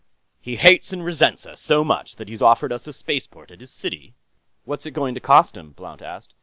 "He hates and resents us so much that he's offered us a spaceport at his city...." "What's it going to cost him?" Blount asked.